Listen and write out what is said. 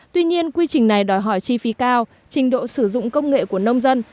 tuy nhiên quy trình này đòi hỏi chi phí cao trình độ sử dụng công nghệ của nông dân